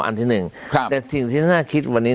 อันที่หนึ่งแต่สิ่งที่น่าคิดวันนี้